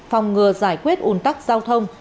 phòng ngừa giải quyết un tắc giao thông